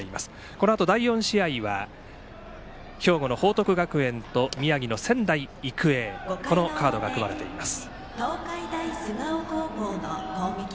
このあと第４試合は兵庫の報徳学園と宮城の仙台育英このカードが組まれています。